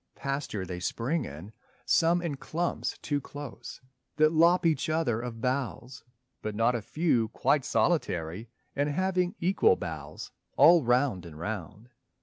Pasture they spring in, some in clumps too close That lop each other of boughs, but not a few Quite solitary and having equal boughs All round and round.